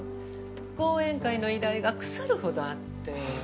講演会の依頼が腐るほどあって。